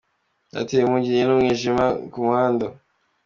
Batewe impungenge n’umwijima ku muhanda